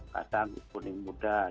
kadang kuning muda